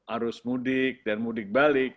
arus mudik dan mudik balik